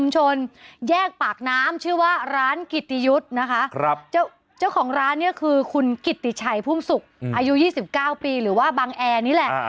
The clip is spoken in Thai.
เจ้าเจ้าของร้านเนี่ยคือคุณกิตติฉัยภุมศุกร์อายุ๒๙ปีหรือว่าบังแอร์นี่แหละ